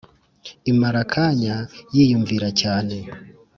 imara akanya yiyumvira cyane